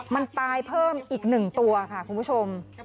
มันตายเพิ่มอีก๑ตัวค่ะคุณผู้ชม